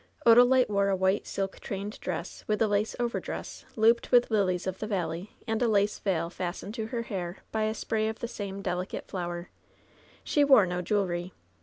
Odalite wore a white silk trained dress, with a lace overdress looped with lilies of the valley, and a lace veil fastened to her hair by a spray of tibe same delicate flower. She wore no jewelry.